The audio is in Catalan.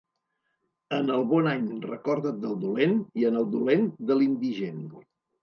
En el bon any recorda't del dolent, i en el dolent, de l'indigent.